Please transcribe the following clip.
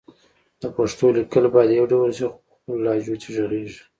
د پښتو لیکل باید يو ډول شي خو په خپلو لهجو دې غږېږي